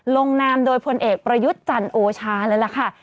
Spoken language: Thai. ลงนามโดยพลเอกประยุทธ์จันทร์โอชาเลยล่ะค่ะ